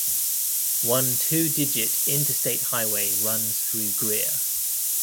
One two-digit Interstate highway runs through Greer.